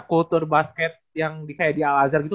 kultur basket yang kayak di al azhar gitu